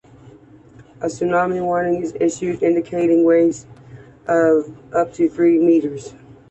A tsunami warning was issued indicating waves of up to three meters.